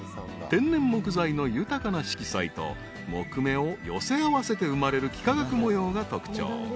［天然木材の豊かな色彩と木目を寄せ合わせて生まれる幾何学模様が特徴］